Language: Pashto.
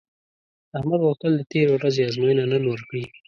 احمد غوښتل د تېرې ورځې ازموینه نن ورکړي